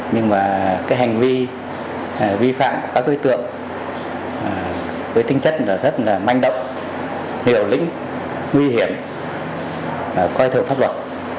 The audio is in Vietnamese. nhưng mà cái hành vi vi phạm các đối tượng với tính chất rất là manh động hiểu lĩnh nguy hiểm coi thường pháp luật